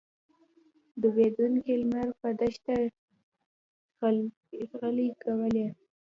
ډوبېدونکی لمر پر دښته شغلې کولې.